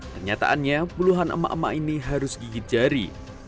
kenyataannya puluhan emak emak ini harus gigit jari